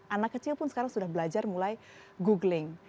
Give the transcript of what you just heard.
anak kecil pun sekarang sudah belajar mulai googling